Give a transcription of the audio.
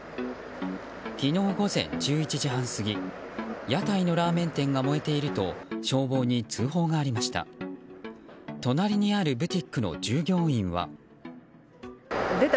昨日午前１１時半過ぎ屋台のラーメン店が燃えていると消防に通報がありました。